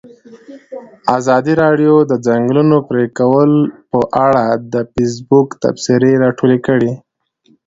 ازادي راډیو د د ځنګلونو پرېکول په اړه د فیسبوک تبصرې راټولې کړي.